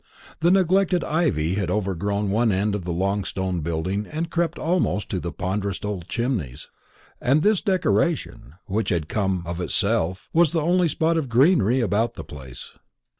The neglected ivy had overgrown one end of the long stone building and crept almost to the ponderous old chimneys; and this decoration, which had come of itself, was the only spot of greenery about the place.